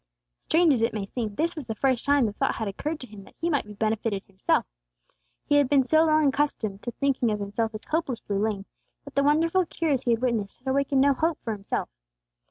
Strange as it may seem, this was the first time the thought had occurred to him that he might be benefited himself. He had been so long accustomed to thinking of himself as hopelessly lame, that the wonderful cures he had witnessed had awakened no hope for himself.